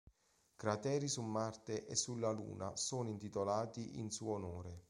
Crateri su Marte e sulla Luna sono intitolati in suo onore.